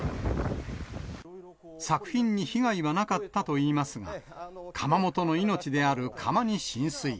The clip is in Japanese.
作品に被害はなかったといいますが、窯元の命である窯に浸水。